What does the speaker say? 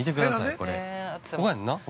ここやんな？